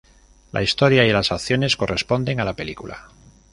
La historia y las acciones corresponden a la película.